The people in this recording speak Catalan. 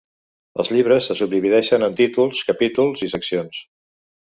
Els llibres se subdivideixen en títols, capítols i seccions.